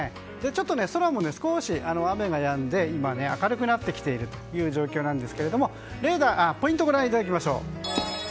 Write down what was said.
ちょっと空も少し雨がやんで今明るくなってきている状況ですがポイントをご覧いただきましょう。